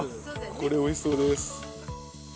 これ、おいしそうです。